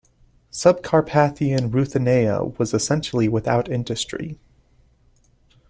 Subcarpathian Ruthenia was essentially without industry.